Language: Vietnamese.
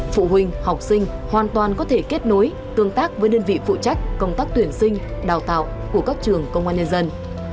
phụ huynh học sinh hoàn toàn có thể kết nối tương tác với đơn vị phụ trách công tác tuyển sinh đào tạo của các trường công an nhân dân